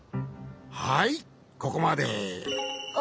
はいここまで。